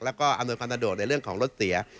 แล้วก็อำนวยความสะดวกในเรื่องของรถเสีย